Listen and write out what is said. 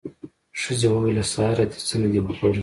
ښځې وويل: له سهاره دې څه نه دي خوړلي.